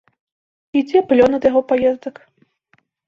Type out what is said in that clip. І дзе плён ад яго паездак?